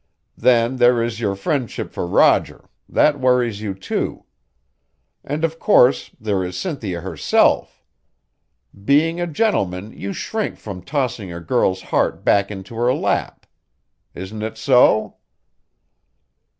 Then there is your friendship for Roger that worries you too. And of course there is Cynthia herself! Being a gentleman you shrink from tossing a girl's heart back into her lap. Isn't it so?"